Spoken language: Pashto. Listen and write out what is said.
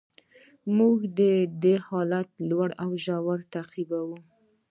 موږ د حالت لوړې ژورې تعقیبوو.